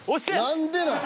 何でなん。